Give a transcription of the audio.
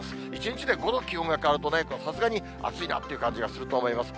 １日で５度気温が変わるとね、さすがに暑いなという感じがすると思います。